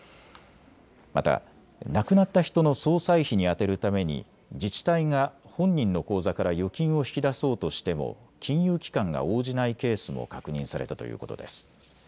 また亡くなった人の葬祭費に充てるために自治体が本人の口座から預金を引き出そうとしても金融機関が応じないケースも確認されたということです。